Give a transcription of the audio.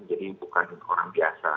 jadi bukan orang biasa